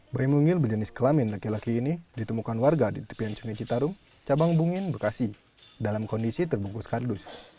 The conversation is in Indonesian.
bayi mungil berjenis kelamin laki laki ini ditemukan warga di tepian sungai citarum cabang bungin bekasi dalam kondisi terbungkus kardus